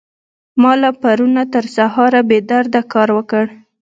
ما له پرون نه تر سهاره بې درده کار وکړ.